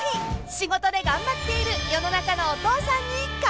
［仕事で頑張っている世の中のお父さんに乾杯！］